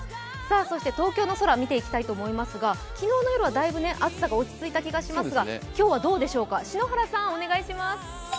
東京の空を見ていきたいと思いますが、昨日の夜はだいぶ暑さが落ち着いた気がしますが、今日はどうでしょうか。